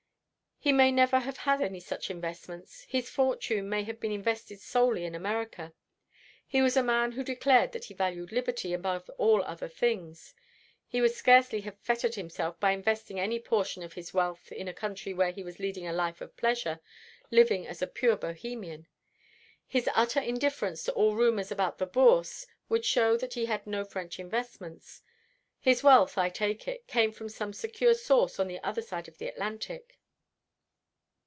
"He may never have had any such investments. His fortune may have been invested solely in America. He was a man who declared that he valued liberty above all other blessings. He would scarcely have fettered himself by investing any portion of his wealth in a country where he was leading a life of pleasure, living as a pure Bohemian. His utter indifference to all rumours about the Bourse would show that he had no French investments. His wealth, I take it, came from some secure source on the other side of the Atlantic."